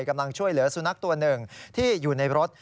กำลังช่วยเหลือสุนัขตัวหนึ่งที่อยู่ในรถ